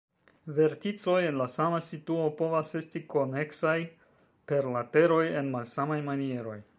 Verticoj en la sama situo povas esti koneksaj per lateroj en malsamaj manieroj.